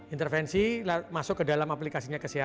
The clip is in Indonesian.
intervensi masuk ke dalam aplikasinya kesehatan